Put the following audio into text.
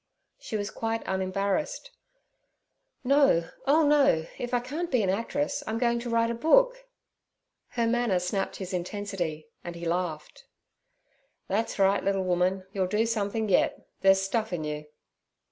She was quite unembarrassed. 'No, oh no; if I can't be an actress, I'm going to write a book.' Her manner snapped his intensity, and he laughed. 'That's right, little woman, you'll do something yet; there's stuff in you.'